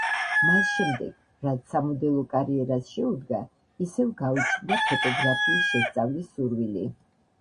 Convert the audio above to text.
მას შემდეგ რაც სამოდელო კარიერას შეუდგა, ისევ გაუჩნდა ფოტოგრაფიის შესწავლის სურვილი.